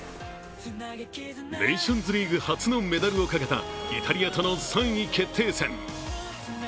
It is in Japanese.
ネーションズリーグ初のメダルをかけたイタリアとの３位決定戦。